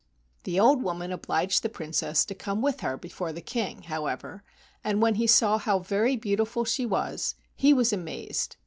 The old woman obliged the Princess to come with her before the King, however, and when he saw how very beautiful she was he was amazed.